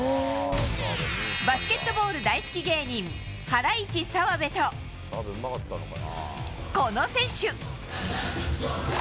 バスケットボール大好き芸人ハライチ澤部と、この選手！